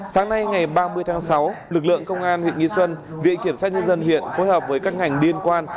sáng nay ngày ba mươi tháng sáu lực lượng công an huyện nghi xuân viện kiểm sát nhân dân huyện phối hợp với các ngành liên quan